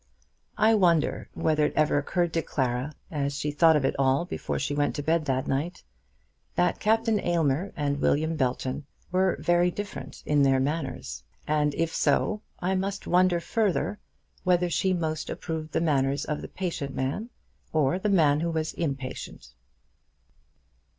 I wonder whether it ever occurred to Clara, as she thought of it all before she went to bed that night, that Captain Aylmer and William Belton were very different in their manners. And if so, I must wonder further whether she most approved the manners of the patient man or the man who was impatient.